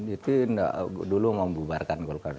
itu dulu mau bubarkan golkar